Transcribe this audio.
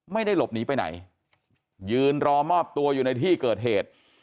ไม่ได้หลบหนีไปไหนยืนรอมอบตัวอยู่ในที่เกิดเหตุ